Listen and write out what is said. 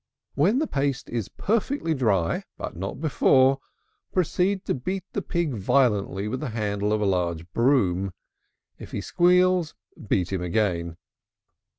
When the paste is perfectly dry, but not before, proceed to beat the pig violently with the handle of a large broom. If he squeals, beat him again.